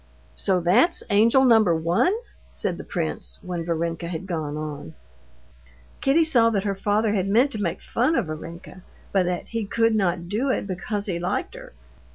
"So that's angel number one?" said the prince when Varenka had gone on. Kitty saw that her father had meant to make fun of Varenka, but that he could not do it because he liked her.